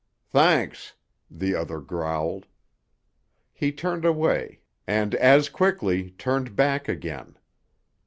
"Thanks," the other growled. He turned away—and as quickly turned back again.